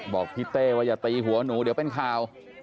บอกพี่เต้ว่าอย่าตีหัวหนูเดี๋ยวเป็นข่าว